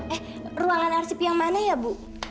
eh ruangan arsip yang mana ya bu